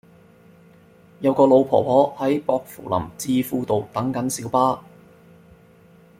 有個老婆婆喺薄扶林置富道等緊小巴